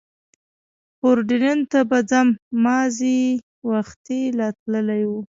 پورډېنون ته به ځم، مازې یې وختي لا تللي و.